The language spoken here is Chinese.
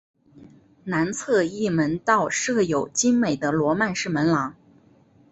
南侧翼门道设有精美的罗曼式门廊。